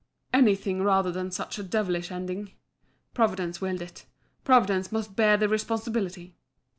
Anything rather than such a devilish ending. Providence willed it Providence must bear the responsibility.